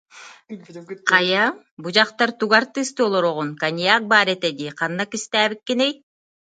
Хайа, бу дьахтар, тугу артыыстыы олороҕун, коньяк баар этэ дии, ханна кистээбиккиний